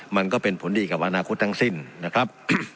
มันก็เป็นผลดีกับอนาคตทั้งสิ้นนะครับ